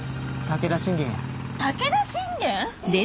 武田信玄⁉